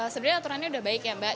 sebenarnya aturannya sudah baik ya mbak